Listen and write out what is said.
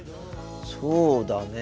そうだねえ。